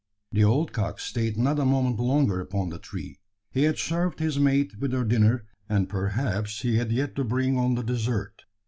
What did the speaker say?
The old cock stayed not a moment longer upon the tree. He had served his mate with her dinner, and perhaps he had yet to bring on the dessert.